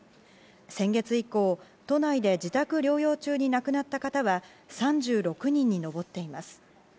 先月以降、都内で自宅療養中に亡くなった方の数は３６人に上っています。